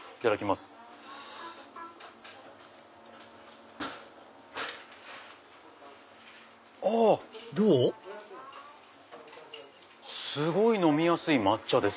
すごい飲みやすい抹茶です。